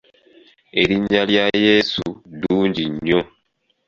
Erinnya lya Yesu ddungi nnyo.